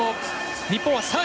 日本は３位。